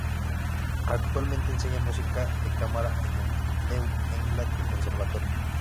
Actualmente enseña música de cámara en el New England Conservatory.